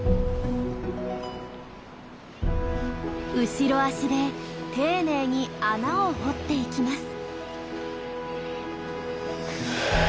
後ろ足で丁寧に穴を掘っていきます。